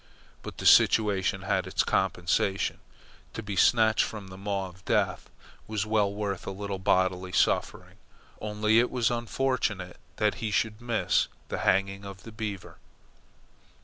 But the situation had its compensation. To be snatched from the maw of death was well worth a little bodily suffering, only it was unfortunate that he should miss the hanging of the Beaver.